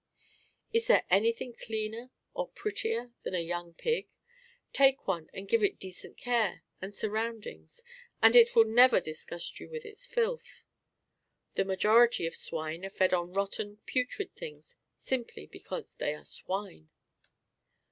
Is there anything cleaner or prettier than a young pig? Take one and give it decent care and surroundings and it will never disgust you with its filth. The majority of swine are fed on rotten, putrid things, simply because they are swine.